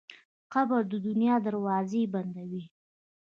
قبر د دنیا دروازې بندوي.